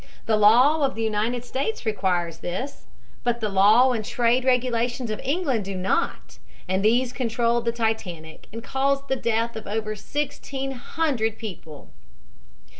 The law of the United States requires this, but the law and trade regulations of England do not, and these controlled the Titanic and caused the death of over sixteen hundred people.